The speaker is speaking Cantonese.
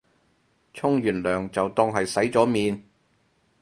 沖完涼就當係洗咗面